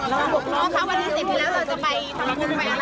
อ๋อคะวันนี้เสร็จแล้วเราจะไปทางพูมไปไปอะไรไหม